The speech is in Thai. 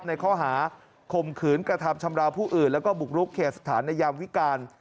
ในข้อหาข่มขืนกระทำชำราวผู้อื่นแล้วก็บุกรุกเขตสถานในยามวิการ